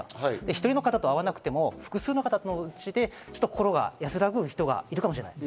１人の方と合わなくても、複数の方に合って、心が安らぐ人がいるかもしれない。